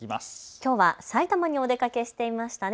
きょうは埼玉にお出かけしていましたね。